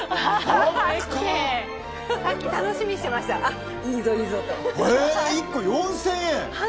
さっき楽しみにしてました１個４０００円。